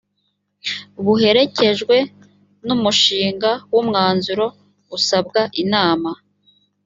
buherekejwe n umushinga w umwanzuro usabwa inama